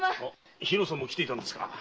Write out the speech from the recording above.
ひろさんも来ていたんですか。